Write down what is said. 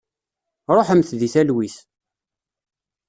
Ruḥemt deg talwit.